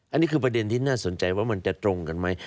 อันนี้คือประเด็นที่น่าสนใจว่ามันจะตรงกันไหม